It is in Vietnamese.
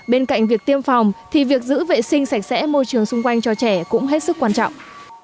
bên cạnh việc tiêm phòng thì việc giữ vệ sinh sạch sẽ môi trường xung quanh cho trẻ cũng hết sức quan trọng